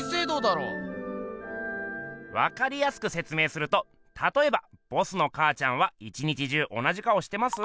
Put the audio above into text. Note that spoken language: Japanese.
分かりやすく説明するとたとえばボスのかあちゃんは一日中同じ顔してます？